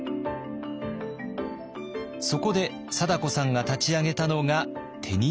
そこで貞子さんが立ち上げたのがテニス部。